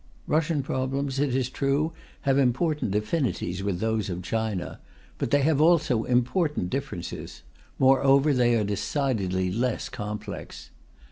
Russian problems, it is true, have important affinities with those of China, but they have also important differences; moreover they are decidedly less complex.